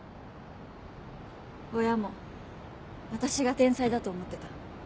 親も私が天才だと思ってた。